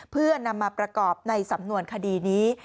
เพื่อนำมาประกอบในสำนวนคดีนี้